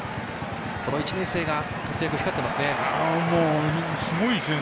この１年生が活躍、光ってますね。